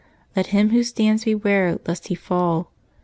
" Let him who stands beware lest he fall.